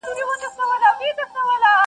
په څپو او په موجونو کي ورکیږي -